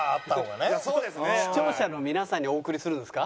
視聴者の皆さんにお送りするんですか？